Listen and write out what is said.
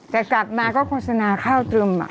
แต่กลับมาก็โฆษณาข้าวตรึม